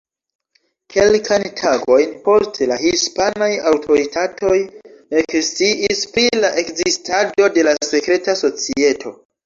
Kelkajn tagojn poste la hispanaj aŭtoritatoj eksciis pri la ekzistado de la sekreta societo.